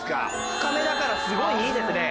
深めだからすごいいいですね。